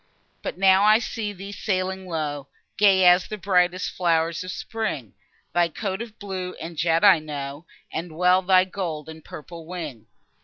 But now I see thee sailing low, Gay as the brightest flow'rs of spring, Thy coat of blue and jet I know, And well thy gold and purple wing.